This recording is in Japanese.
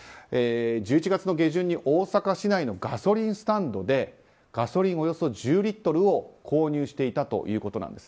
１１月の下旬に大阪市内のガソリンスタンドでガソリンおよそ１０リットルを購入していたということです。